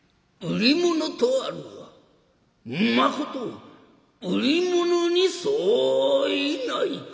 売り物とあるがまこと売り物に相違ないか？」。